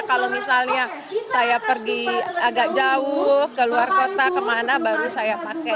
kalau misalnya saya pergi agak jauh ke luar kota kemana baru saya pakai